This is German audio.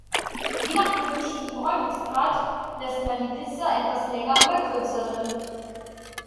Je nach gewünschtem Bräunungsgrad lässt man die Pizza etwas länger oder kürzer drin.